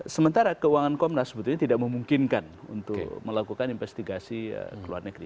sementara keuangan komnas sebetulnya tidak memungkinkan untuk melakukan investigasi ke luar negeri